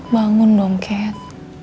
bangun dong kat